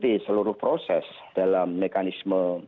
dan juga melakukan seluruh proses dalam mekanisme